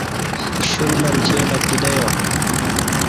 کشل منچے تہ کدہ یا